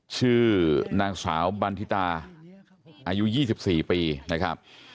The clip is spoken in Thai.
ชื่อนางสาวบันทิตาอายุ๒๔ปีนะครับ